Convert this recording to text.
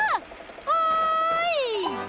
おい！